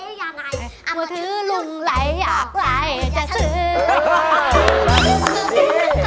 อันบริเวณเที่ยวลงไหลอยากไหลจะซื้ออันนี้